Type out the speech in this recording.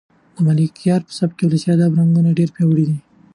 د ملکیار په سبک کې د ولسي ادب رنګونه ډېر پیاوړي دي.